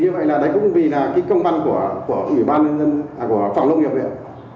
như vậy là đấy cũng vì là cái công băn của ủy ban nhân dân à của phòng nông nghiệp đấy